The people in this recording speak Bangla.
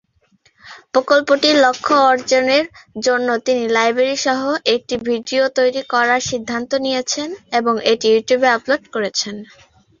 প্রকল্পটির লক্ষ্য অর্জনের জন্য, তিনি লাইব্রেরি সহ একটি ভিডিও তৈরি করার সিদ্ধান্ত নিয়েছেন এবং এটি ইউটিউবে আপলোড করেছেন।